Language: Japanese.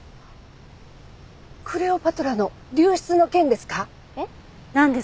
クレオパトラの流出の件ですか？